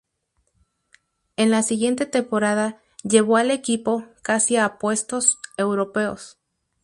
En la siguiente temporada llevó al equipo casi a puestos europeos.